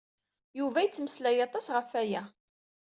Yuba yettmeslay aṭas ɣef waya.